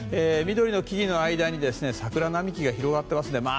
緑の木々の間に桜並木が広がっていますね。